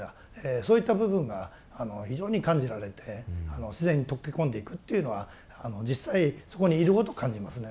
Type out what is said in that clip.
そういった部分が非常に感じられて自然に溶け込んでいくっていうのは実際そこにいることを感じますね。